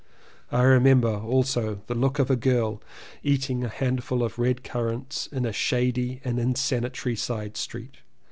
I remember also the look of a girl eating a 242 LLEWELLYN POWYS handful of red currants in a shady and insanitary side street.